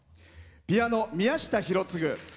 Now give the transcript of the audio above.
ピアノ宮下博次。